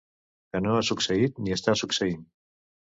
Que no ha succeït ni està succeint.